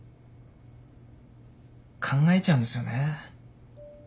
考えちゃうんですよね。